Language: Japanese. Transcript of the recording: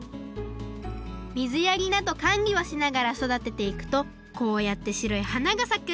水やりなどかんりをしながらそだてていくとこうやってしろいはながさく。